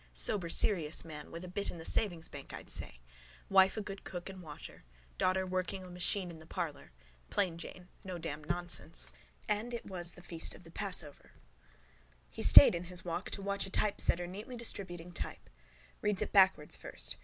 Sober serious man with a bit in the savingsbank I'd say. Wife a good cook and washer. Daughter working the machine in the parlour. Plain Jane, no damn nonsense. AND IT WAS THE FEAST OF THE PASSOVER He stayed in his walk to watch a typesetter neatly distributing type. Reads it backwards first.